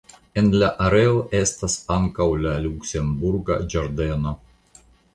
En la areo estas ankaŭ la Luksemburga Ĝardeno.